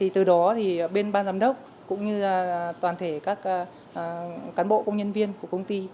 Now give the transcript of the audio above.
từ đó bên ban giám đốc cũng như toàn thể các cán bộ công nhân viên của công ty